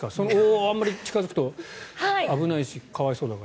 あまり近付くと危ないし可哀想だから。